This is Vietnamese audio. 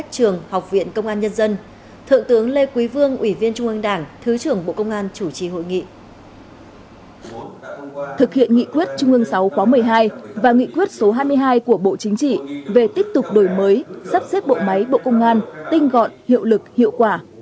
thực hiện nghị quyết trung ương sáu khóa một mươi hai và nghị quyết số hai mươi hai của bộ chính trị về tiếp tục đổi mới sắp xếp bộ máy bộ công an tinh gọn hiệu lực hiệu quả